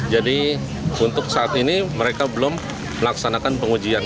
jadi untuk saat ini mereka belum melaksanakan pengujian